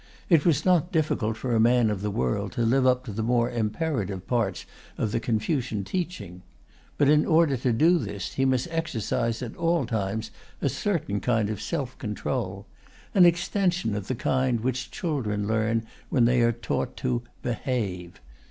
It was not difficult for a man of the world to live up to the more imperative parts of the Confucian teaching. But in order to do this he must exercise at all times a certain kind of self control an extension of the kind which children learn when they are taught to "behave."